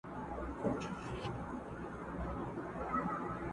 د زمري داسي تابع وو لکه مړی؛